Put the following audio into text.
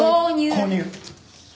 購入。